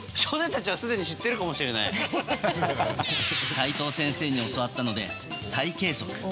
齋藤先生に教わったので再計測。